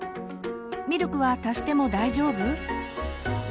「ミルクは足しても大丈夫？」。